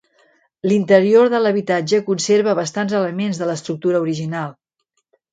L'interior de l'habitatge conserva bastants elements de l'estructura original.